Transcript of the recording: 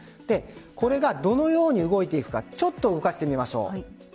これがどのように動いていくかちょっと動かしてみましょう。